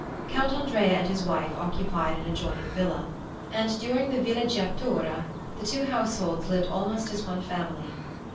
Count Andrea and his wife occupied an adjoining villa; and during the villeggiatura the two households lived almost as one family.